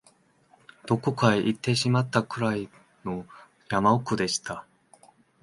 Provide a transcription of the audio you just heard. どこかへ行ってしまったくらいの山奥でした